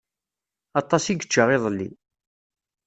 Aṭas i yečča iḍelli.